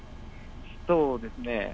そうですね。